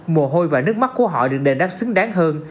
mồ hôi và nước mắt của họ được đề đắc xứng đáng hơn